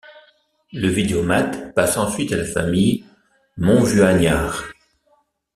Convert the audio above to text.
Le vidomat passe ensuite à la famille Montvuagnard.